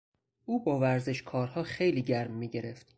او با ورزشکارها خیلی گرم میگرفت.